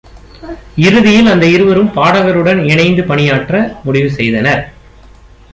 இறுதியில், அந்த இருவரும் பாடகருடன் இணைந்து பணியாற்ற முடிவு செய்தனர்.